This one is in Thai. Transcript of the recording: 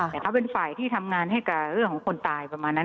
แต่เขาเป็นฝ่ายที่ทำงานให้กับเรื่องของคนตายประมาณนั้น